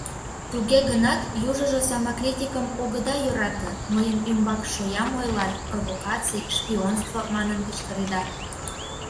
Туге гынат южыжо самокритикым огыда йӧрате, мыйын ӱмбак шоям ойлат, провокаций, шпионство манын кычкыреда.